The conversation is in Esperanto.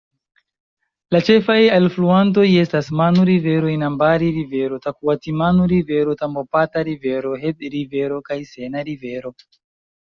La ĉefaj alfluantoj estas Manu-Rivero, Inambari-Rivero, Takuatimanu-Rivero, Tambopata-Rivero, Heath-Rivero kaj Sena-Rivero.